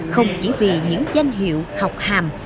không chỉ vì những danh hiệu học hàm